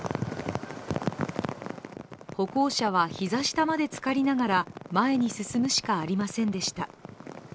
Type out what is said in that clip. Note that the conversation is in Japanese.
歩行者は膝下までつかりながら前に進むしかありませんでした。